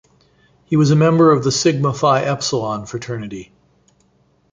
He was a member of the Sigma Phi Epsilon Fraternity.